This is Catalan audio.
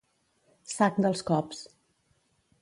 Sac dels cops.